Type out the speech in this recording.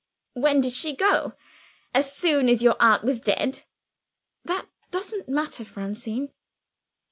"When did she go? As soon as your aunt was dead?" "That doesn't matter, Francine."